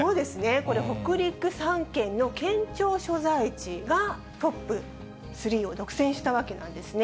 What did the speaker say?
これ、北陸３県の県庁所在地がトップ３を独占したわけなんですね。